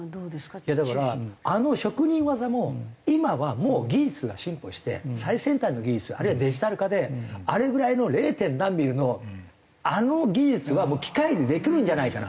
いやだからあの職人技も今はもう技術が進歩して最先端の技術あるいはデジタル化であれぐらいの０点何ミリのあの技術はもう機械でできるんじゃないかなと。